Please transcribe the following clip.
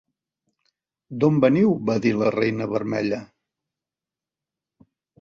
"D'on veniu?", va dir la reina Vermella.